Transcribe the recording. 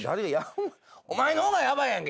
お前の方がヤバいやんけ。